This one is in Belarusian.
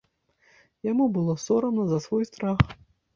Яму было сорамна за свой страх.